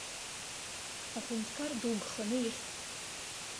Аҳәынҭқар ду гханы ихьт.